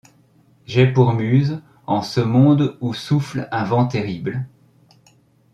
J'ai pour muse, en ce monde où souffle un vent terrible